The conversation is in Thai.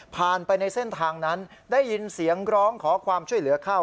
ไปในเส้นทางนั้นได้ยินเสียงร้องขอความช่วยเหลือเข้า